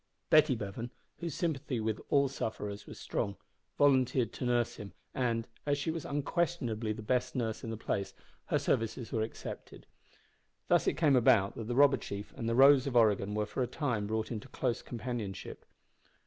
Betty Bevan, whose sympathy with all sufferers was strong, volunteered to nurse him, and, as she was unquestionably the best nurse in the place, her services were accepted. Thus it came about that the robber chief and the Rose of Oregon were for a time brought into close companionship.